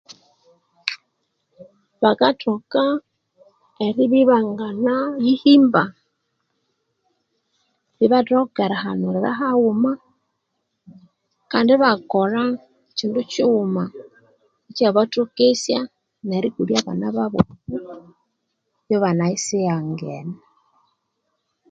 Bakathoka eribya bangana yihimba ibathoka erihanulira haghuma kandi bakolha kyindu kyighuma ikyabathokesya nerikulya abana babo ibanayisighengene